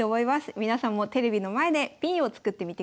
皆さんもテレビの前でＰを作ってみてください。